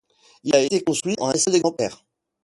Il a été construit à un seul exemplaire.